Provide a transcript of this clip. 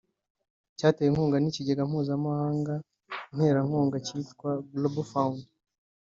cyatewe inkunga n’ikigega Mpuzamahanga nterankunga cyitwa “Global Fund’’